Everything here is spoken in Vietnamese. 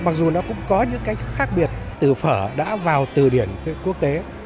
mặc dù nó cũng có những cách khác biệt từ phở đã vào từ điển quốc tế